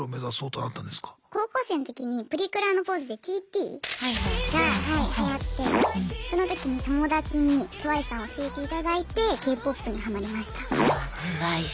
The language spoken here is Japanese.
高校生の時にプリクラのポーズで「ＴＴ」？がはいはやってその時に友達にＴＷＩＣＥさん教えていただいてＫ−ＰＯＰにハマりました。